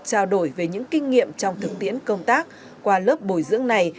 trao đổi về những kinh nghiệm trong thực tiễn công tác qua lớp bồi dưỡng này